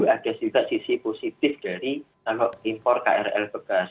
ada juga sisi positif dari kalau impor krl bekas